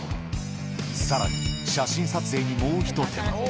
さらに、写真撮影にもう一手間。